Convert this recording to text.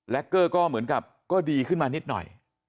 เกอร์ก็เหมือนกับก็ดีขึ้นมานิดหน่อย